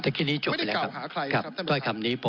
ถ้าแค่นี้จบอยู่แหละครับ